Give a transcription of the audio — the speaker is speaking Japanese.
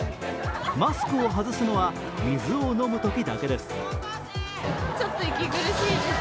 マスクを外すのは水を飲むときだけです。